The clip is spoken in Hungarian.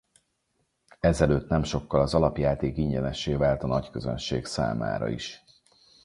Ezelőtt nem sokkal az alapjáték ingyenessé vált a nagyközönség számára is.